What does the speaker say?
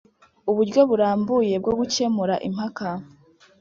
Uburyo burambuye bwo gukemura impaka